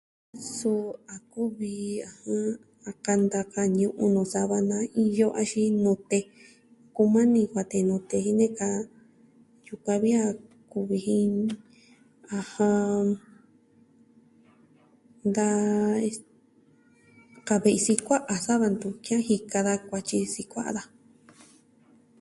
Suu a kuvi, ɨjɨn, a kanta ka ñu'un nuu sava na iyo axin nute. Kumani kuatee nute nee jika yukuan vi a kuvi ji, ɨjɨn, da ka ve'i sikua'a sava ntu jia'an jika da kuatyi sikua'a daja.